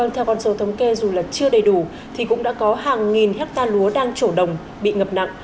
theo con số thống kê dù là chưa đầy đủ thì cũng đã có hàng nghìn hectare lúa đang trổ đồng bị ngập nặng